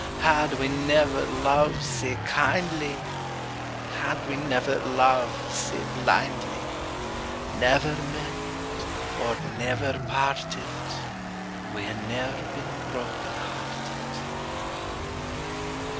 Had we never loved sae kindly, Had we never loved sae blindly, Never met or never parted, We had ne'er been broken hearted.